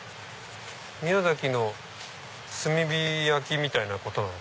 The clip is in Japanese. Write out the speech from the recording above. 宮崎の炭火焼きみたいなこと？